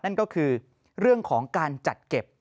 นั่นก็คือเรื่องของการจัดเก็บ